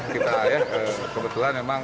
kita ya kebetulan memang